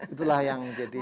itulah yang jadian